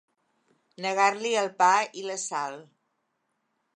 Negar-li el pa i la sal.